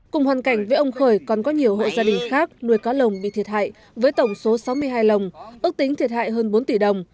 cùng hoàn cảnh với ông khởi còn có nhiều hộ gia đình khác nuôi cá lồng bị thiệt hại với tổng số sáu mươi hai lồng ước tính thiệt hại hơn bốn tỷ đồng